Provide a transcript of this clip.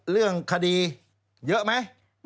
เรื่องคดีเยอะไหม